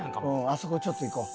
あそこちょっと行こう。